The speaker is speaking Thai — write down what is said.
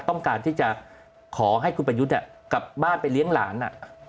ต้องการที่จะขอให้คุณประยุทธ์กลับบ้านไปเลี้ยงหลาน